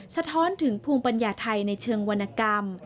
สะท้อนถึงภูมิปัญญาไทยในเชิงวรรณกรรม